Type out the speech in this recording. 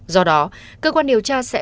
do đó cơ quan điều tra sẽ